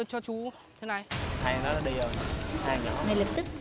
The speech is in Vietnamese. chú không không lấy đâu